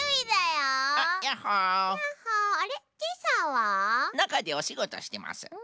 なかでおしごとしてます。